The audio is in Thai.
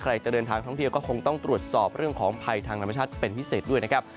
จะเดินทางท่องเที่ยวก็คงต้องตรวจสอบเรื่องของภัยทางธรรมชาติเป็นพิเศษด้วยนะครับ